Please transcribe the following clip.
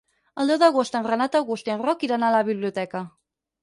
El deu d'agost en Renat August i en Roc iran a la biblioteca.